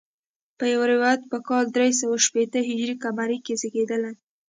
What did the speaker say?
په یو روایت په کال درې سوه شپېته هجري قمري زیږېدلی.